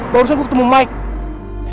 barusan gue ketemu mike